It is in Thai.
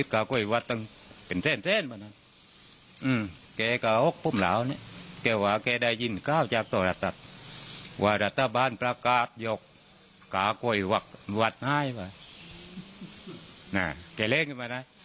ค่ากล้วยหวัดไห้ไว้น่าไปเล่นมาได้